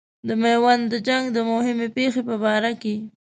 د میوند د جنګ د مهمې پیښې په باره کې.